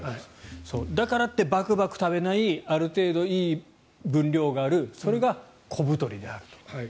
だからってバクバク食べないある程度いい分量があるそれが小太りであると。